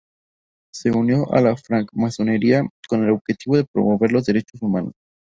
Se unió a la francmasonería con el objetivo de promover los derechos humanos.